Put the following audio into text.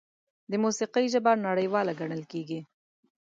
د موسیقۍ ژبه نړیواله ګڼل کېږي.